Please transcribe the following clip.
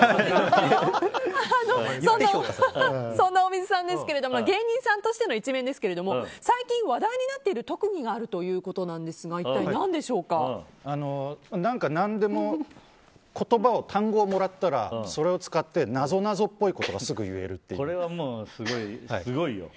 そんな大水さんですが芸人さんとしての一面ですけども最近、話題になっている特技があるということですが何でも言葉、単語をもらったらそれを使ってなぞなぞっぽいことがこれは、すごいよ。